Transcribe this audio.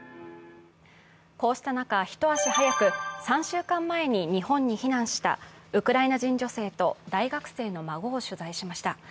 こうした中、一足早く３週間前に日本に避難した、ウクライナ人女性と大学生の孫を取材しました。